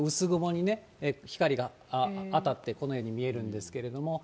ハロが、光が当たって、このように見えるんですけれども。